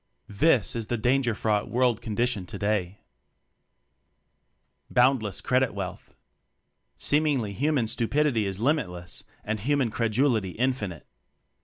This is the danger fraught "World condition" today. 'ECHNOCRACY 33 Boundless Credit Wealth Seemingly human stupidity is lim itless and human credulity infinite!